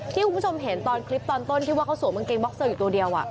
คุณผู้ชมเห็นตอนคลิปตอนต้นที่ว่าเขาสวมกางเกงบ็อกเซอร์อยู่ตัวเดียว